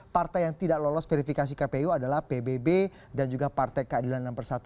partai yang tidak lolos verifikasi kpu adalah pbb dan juga partai keadilan enam persatu